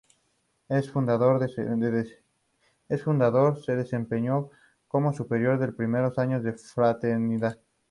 El fundador se desempeñó como superior los primeros años de la Fraternidad.